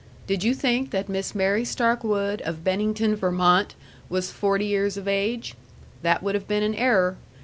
Did you think that Miss Mary Stark Wood of Bennington, Vermont, was forty years of age? That would have been an error.